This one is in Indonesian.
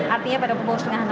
artinya pada pukul setengah enam